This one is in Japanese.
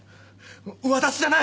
私じゃない！